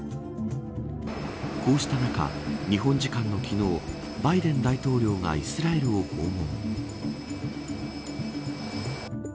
こうした中、日本時間の昨日バイデン大統領がイスラエルを訪問。